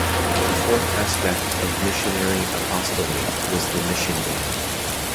The fourth aspect of Missionary Apostolate was the Mission Band.